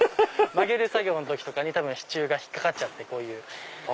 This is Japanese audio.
曲げる作業の時とかに多分支柱が引っ掛かってこういう。